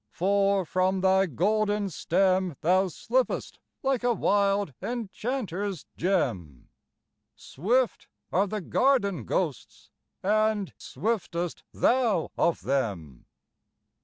for from thy golden stem Thou slippest like a wild enchanter's gem. Swift are the garden ghosts, and swiftest thou of them!